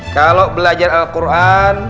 kalau belajar al quran